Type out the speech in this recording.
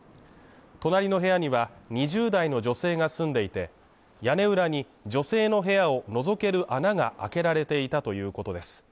隣の部屋には２０代の女性が住んでいて、屋根裏に女性の部屋を覗ける穴があけられていたということです。